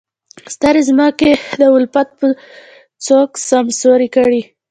ستړې ځمکې د الفت به څوک سمسورې کړي.